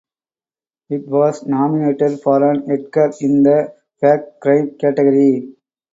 It was nominated for an Edgar in the Fact Crime category.